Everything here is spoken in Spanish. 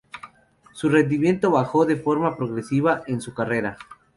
Su rendimiento bajó de forma progresiva en su carrera.